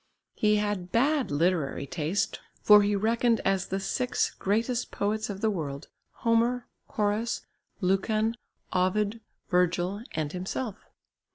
He had bad literary taste, for he reckoned as the six greatest poets of the world Homer, Horace, Lucan, Ovid, Virgil and himself.